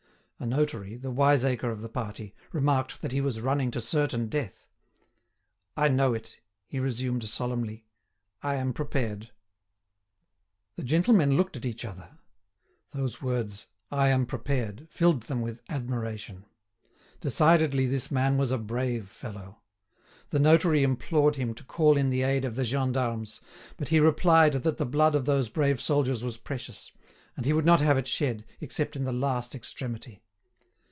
A notary, the wiseacre of the party, remarked that he was running to certain death. "I know it," he resumed solemnly. "I am prepared!" The gentlemen looked at each other. Those words "I am prepared!" filled them with admiration. Decidedly this man was a brave fellow. The notary implored him to call in the aid of the gendarmes; but he replied that the blood of those brave soldiers was precious, and he would not have it shed, except in the last extremity.